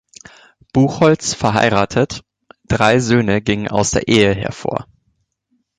Buchholz verheiratet; drei Söhne gingen aus der Ehe hervor.